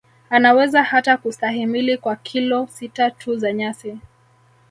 Anaweza hata kustahimili kwa kilo sita tu za nyasi